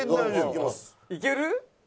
いける？